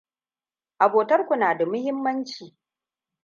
Abotarku na da muhimmanci.